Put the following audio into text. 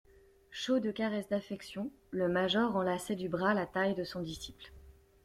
Chaude caresse d'affection, le major enlaçait du bras la taille de son disciple.